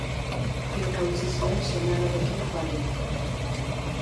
Dena utzi zuen senarrarekin joateko.